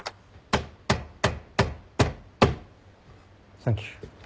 サンキュー。